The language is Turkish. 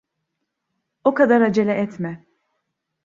O kadar acele etme.